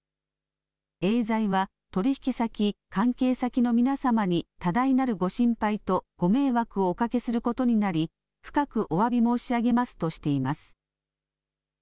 エーザイは取引先、関係先の皆様に多大なるご心配とご迷惑をおかけすることになり深くおわび申し上げますとしています。